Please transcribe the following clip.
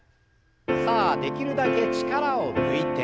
さあできるだけ力を抜いて。